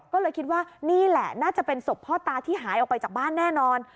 ก็เลยคิดว่านี่แหละน่าจะเป็นศพพ่อตาที่หายออกไปจากบ้านแน่นอน